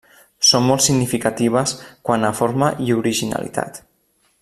Són molt significatives quant a forma i originalitat.